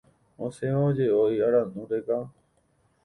Osẽva oje’ói arandu reka;